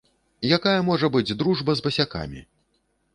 Якая можа быць дружба з басякамі?